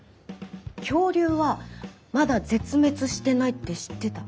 恐竜はまだ絶滅してないって知ってた？